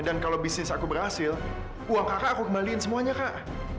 dan kalau bisnis aku berhasil uang kakak aku kembalikan semuanya kak